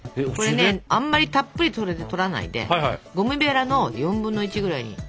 これねあんまりたっぷりとらないでゴムベラの４分の１ぐらいに。